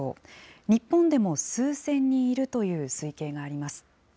日本でも数千人いるという推計があります。